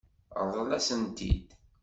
Ṛḍel-asent-tent-id.